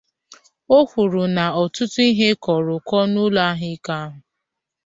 O kwuru na ọtụtụ ihe kọrọ ụkọ n'ụlọ ahụike ahụ